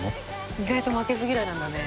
「意外と負けず嫌いなんだね」